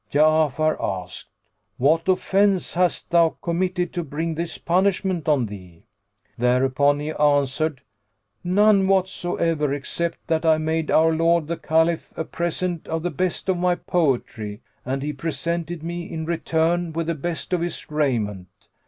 Ja'afar asked, "What offence hast thou committed to bring this punishment on thee?" Thereupon he answered, "None whatsoever, except that I made our lord the Caliph a present of the best of my poetry and he presented me, in return, with the best of his raiment."